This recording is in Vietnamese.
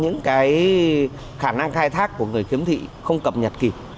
những cái khả năng khai thác của người khiếm thị không cập nhật kịp